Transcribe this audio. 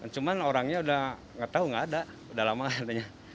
cuman orangnya udah nggak tahu nggak ada udah lama katanya